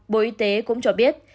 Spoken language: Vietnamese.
bộ y tế cũng cho biết